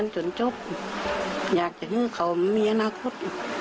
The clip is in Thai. จนจบอยากจะให้เขามีอนาคต